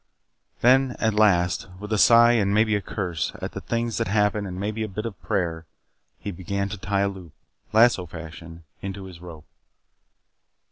Then, at last, with a sigh and maybe a curse at the things that happen and maybe a bit of a prayer, he began to tie a loop, lasso fashion, in his rope.